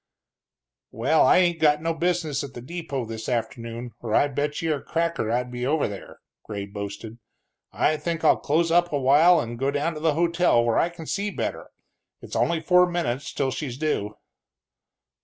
"Well, I ain't got no business at the depot this afternoon, or I bet you a cracker I'd be over there," Gray boasted. "I think I'll close up a while and go down to the hotel where I can see better it's only forty minutes till she's due."